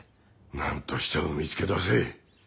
何としても見つけ出せ。